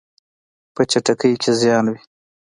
په چټکۍ کې زیان وي.